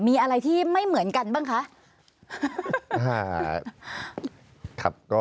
มีอะไรที่ไม่เหมือนกันบ้างคะ